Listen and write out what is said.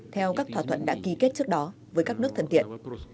theo các thỏa thuận đã ký kết trước đó với các nước thân thiện